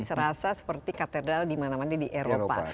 serasa seperti katedral di mana mana di eropa